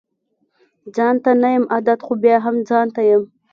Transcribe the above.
ځانته نه يم عادت خو بيا هم ځانته يم